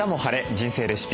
人生レシピ」。